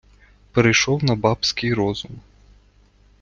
перейшов на бабский розум